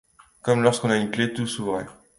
Comme lorsqu'on a une clef, tout s'ouvrait.